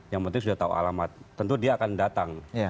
yang penting sudah tahu alamat tentu dia akan datang